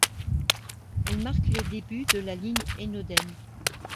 Elle marque le début de la ligne Enoden.